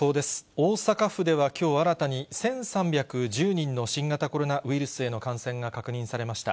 大阪府ではきょう新たに、１３１０人の新型コロナウイルスへの感染が確認されました。